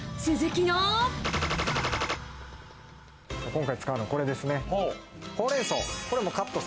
今回、使うのはこれですね。